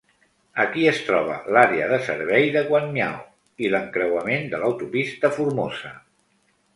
Aquí es troba l'àrea de servei de Guanmiao i l'encreuament de l'autopista Formosa.